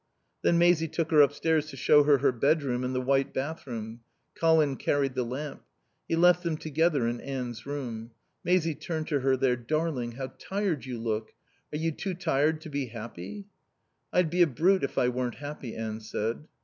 Then Maisie took her upstairs to show her her bedroom and the white bathroom. Colin carried the lamp. He left them together in Anne's room. Maisie turned to her there. "Darling, how tired you look. Are you too tired to be happy?" "I'd be a brute if I weren't happy," Anne said.